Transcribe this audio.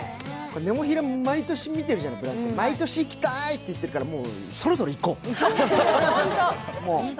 ネモフィラも毎年見てるじゃない、毎年行きたいって言ってるからそろそろ行こう。